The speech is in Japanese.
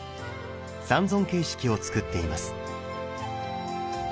三尊形式をつくっています。